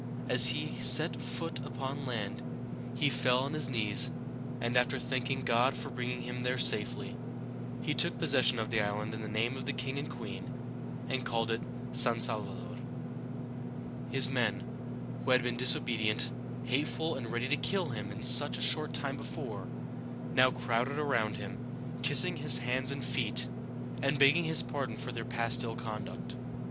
As he set foot upon land, he fell on his knees, and after thanking God for bringing him there in safety, he took possession of the island in the name of the king and queen, and called it San Salvador (sahn sahl vah dōr´). His men, who had been disobedient, hateful, and ready to kill him such a short time before, now crowded around him, kissing his hands and feet, and begging his pardon for their past ill conduct.